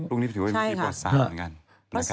พรุ่งนี้พิธีประวัติศาสตร์เหมือนกัน